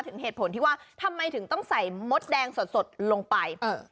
เหตุผลที่ว่าทำไมถึงต้องใส่มดแดงสดลงไป